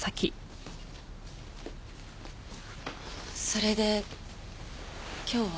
それで今日は。